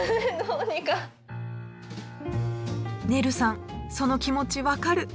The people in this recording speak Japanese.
ねるさんその気持ち分かる！